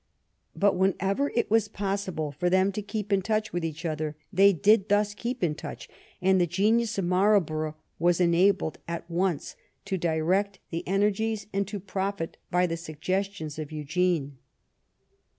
But whenever it was possible for them to keep in touch with each other they did thus keep in touch, and the genius of Marlborough was enabled at once to direct the energies, and to profit by the suggestions, of Eugene.